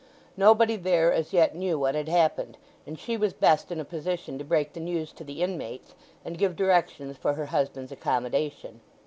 Nobody there as yet knew what had happened; and she was best in a position to break the news to the inmates, and give directions for her husband's accommodation.